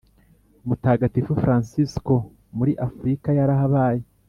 Mutagatifu Fransisko muri Afurika yarahabaye